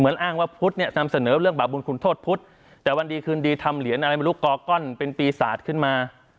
อ้างว่าพุทธเนี่ยนำเสนอเรื่องบาปบุญคุณโทษพุทธแต่วันดีคืนดีทำเหรียญอะไรไม่รู้กอก้อนเป็นปีศาจขึ้นมา